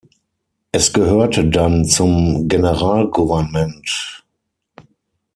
Es gehörte dann zum Generalgouvernement.